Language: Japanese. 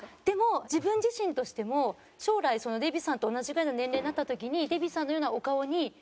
でも自分自身としても将来デヴィさんと同じぐらいの年齢になった時にデヴィさんのようなお顔に。